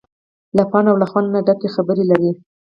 له پند او له خوند نه ډکې خبرې لري.